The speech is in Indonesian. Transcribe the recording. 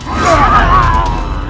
kisah kisah yang terjadi di dalam hidupku